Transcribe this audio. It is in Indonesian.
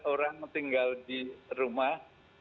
orang tinggal di rumah